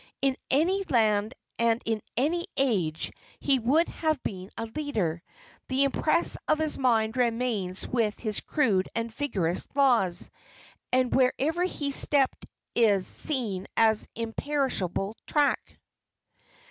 In any land and in any age he would have been a leader. The impress of his mind remains with his crude and vigorous laws, and wherever he stepped is seen an imperishable track.